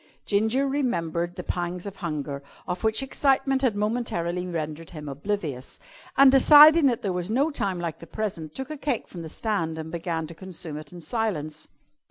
Ginger remembered the pangs of hunger, of which excitement had momentarily rendered him oblivious, and, deciding that there was no time like the present, took a cake from the stand and began to consume it in silence.